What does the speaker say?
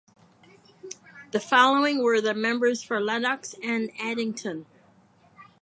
The following were the members for Lennox and Addington.